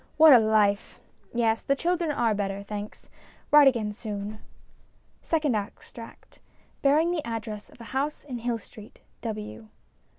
What a life ! Yes, the children are better, thanks. Write again soon. SECOND EXTRACT (Bearing the Address of a House in Hill Street, W.)